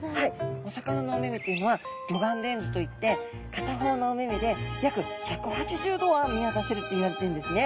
お魚のお目々というのは魚眼レンズといって片方のお目々で約１８０度は見渡せるっていわれているんですね。